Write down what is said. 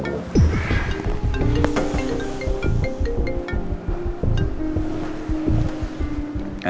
apaan ini telfonnya